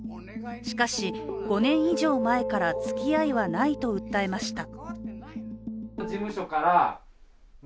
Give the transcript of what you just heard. しかし、５年以上前から付き合いはないと訴えました。